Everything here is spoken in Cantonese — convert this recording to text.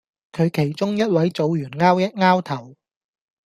佢其中一位組員 𢯎 一 𢯎 頭